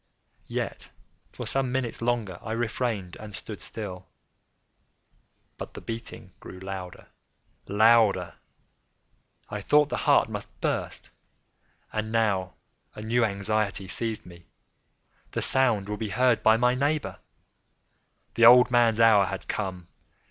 Yet, for some minutes longer I refrained and stood still. But the beating grew louder, louder! I thought the heart must burst. And now a new anxiety seized me—the sound would be heard by a neighbour! The old man's hour had come!